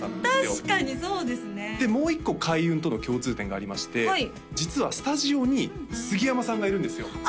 確かにそうですねでもう一個開運との共通点がありまして実はスタジオに杉山さんがいるんですよあ！